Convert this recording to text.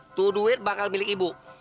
itu duit bakal milik ibu